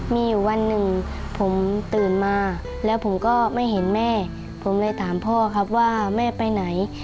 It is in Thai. มีอยู่วันหนึ่งผมตื่นมาแล้วผมก็ไม่เห็นแม่ผมเลยถามพ่อครับว่าแม่ไปไหน